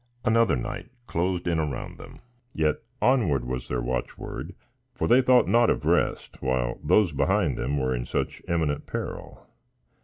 Another night closed in around them, yet "ONWARD" was their watchword, for they thought not of rest while those behind them were in such imminent peril.